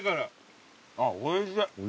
あっおいしい！